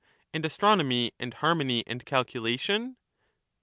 And astronomy and harmony and calculation